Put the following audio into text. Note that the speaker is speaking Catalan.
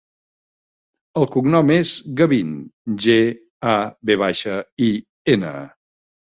El cognom és Gavin: ge, a, ve baixa, i, ena.